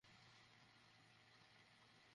হেই, আয়।